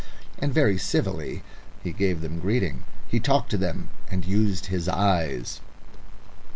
And very civilly he gave them greeting. He talked to them and used his eyes.